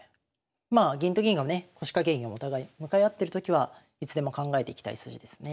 まあ銀と銀がね腰掛け銀お互い向かい合ってるときはいつでも考えていきたい筋ですね。